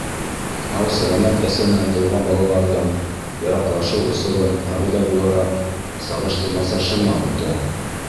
Һау-сәләмәт әсәнән тыуған балаларҙың яраҡлашыу осоро, ҡағиҙә булараҡ, сағыштырмаса шыма үтә.